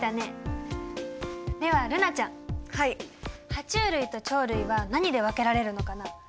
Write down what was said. ハチュウ類と鳥類は何で分けられるのかな？